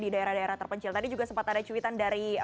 di daerah daerah terpencil tadi juga sempat ada cuitan dari